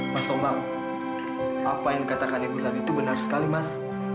mas tomang apa yang dikatakan ibu tadi itu benar sekali mas